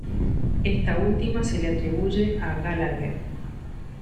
Esta última se le atribuye a Gallagher